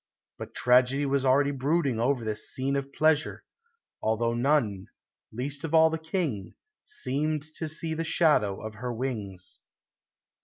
But tragedy was already brooding over this scene of pleasure, although none, least of all the King, seemed to see the shadow of her wings.